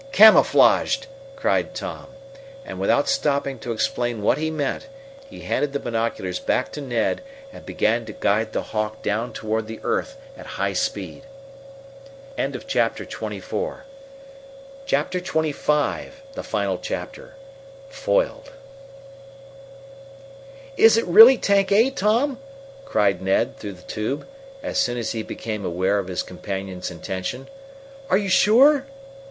"Camouflaged!" cried Tom, and without stopping to explain what he meant, he handed the binoculars back to Ned and began to guide the Hawk down toward the earth at high speed. Chapter XXV Foiled "Is it really Tank A, Tom?" cried Ned, through the tube, as soon as he became aware of his companion's intention. "Are you sure?"